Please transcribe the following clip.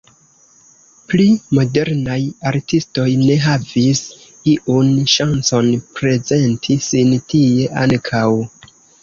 Pli modernaj artistoj ne havis iun ŝancon prezenti sin tie ankaŭ.